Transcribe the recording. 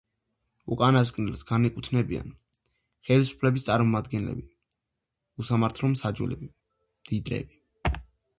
უკანასკნელს განეკუთვნებიან ხელისუფლების წარმომადგენლები, უსამართლო მსაჯულები, მდიდრები.